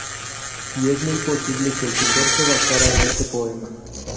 Y es muy posible que el pintor se basara en este poema.